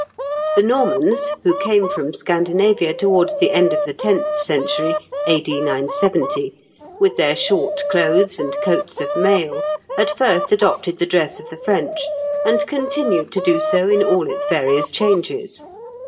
The Normans, who came from Scandinavia towards the end of the tenth century, A.D. 970, with their short clothes and coats of mail, at first adopted the dress of the French, and continued to do so in all its various changes.